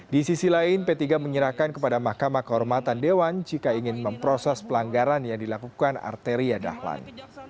di sisi lain p tiga menyerahkan kepada mahkamah kehormatan dewan jika ingin memproses pelanggaran yang dilakukan arteria dahlan